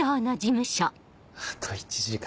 あと１時間。